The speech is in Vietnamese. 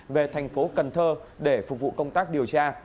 về thành phố cần thơ để phục vụ công tác điều tra